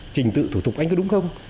trình tự thủ tục anh có đúng không